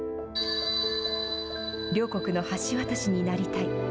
両国の橋渡しになりたい。